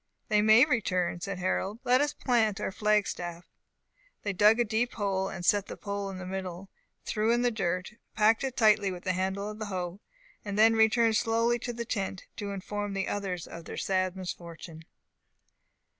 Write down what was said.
"They may return," said Harold; "let us plant our flag staff." They dug a deep hole, set the pole in the middle, threw in the dirt, packed it tightly with the handle of the hoe, and then returned slowly to the tent, to inform the others of their sad misfortune.